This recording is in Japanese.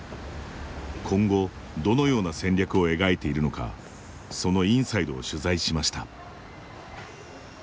今後どのような戦略を描いているのかそのインサイドを取材しました。